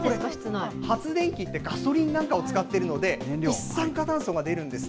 発電機ってガソリンなんかを使っているので、一酸化炭素が出るんです。